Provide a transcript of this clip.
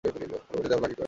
পরবর্তী ধাপ, lucky coin.